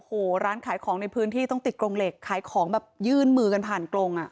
โอ้โหร้านขายของในพื้นที่ต้องติดกรงเหล็กขายของแบบยื่นมือกันผ่านกรงอ่ะ